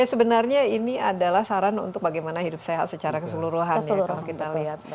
ya sebenarnya ini adalah saran untuk bagaimana hidup sehat secara keseluruhan ya kalau kita lihat